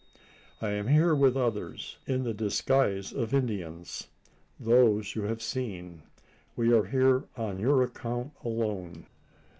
I am here with others in the disguise of Indians those you have seen. We are here on your account alone.